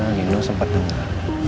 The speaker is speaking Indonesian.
nino sempat dengar